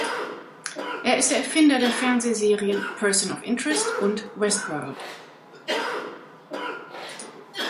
Er ist der Erfinder der Fernsehserien "Person of Interest" und "Westworld".